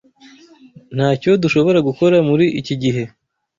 Ntacyo dushobora gukora muri iki gihe.